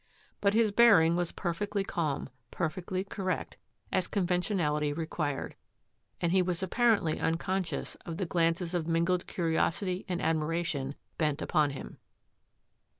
But his bearing was perfectly calm, perfectly correct, as conventionality required, and •he was apparently unconscious of the glances of mingled curiosity and admiration bent upon him.